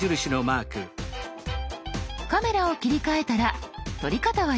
カメラを切り替えたら撮り方は一緒です。